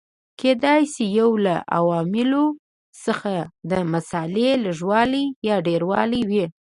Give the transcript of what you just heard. کېدای شي یو له عواملو څخه د مسالې لږوالی یا ډېروالی وي.